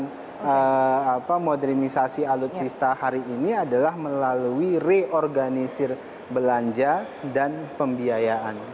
jadi modernisasi alutsista hari ini adalah melalui reorganisir belanja dan pembiayaan